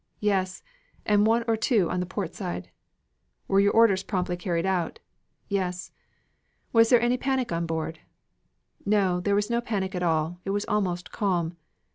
"Yes, and one or two on the port side." "Were your orders promptly carried out?" "Yes." "Was there any panic on board?" "No, there was no panic at all. It was almost calm."